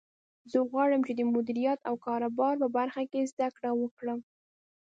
زه غواړم چې د مدیریت او کاروبار په برخه کې زده کړه وکړم